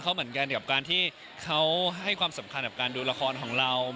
กับการที่เค้าให้ความสำคัญกับการดูละครของเรา